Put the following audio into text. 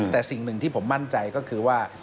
แต่สิ่งหนึ่งที่ผมมั่นใจก็คือว่า